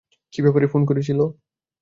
কী ব্যাপারে ফোন করেছিল?